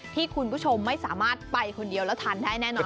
ที่คุณผู้ชมไม่สามารถไปคนเดียวแล้วทานได้แน่นอน